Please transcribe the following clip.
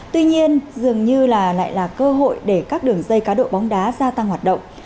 tuy nhiên dường như là lại là cơ hội để các đường dây cá độ bóng đá gia tăng hoạt động